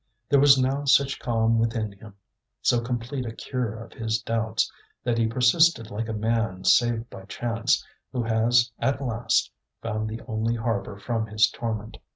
There was now such calm within him, so complete a cure of his doubts, that he persisted like a man saved by chance, who has at last found the only harbour from his torment.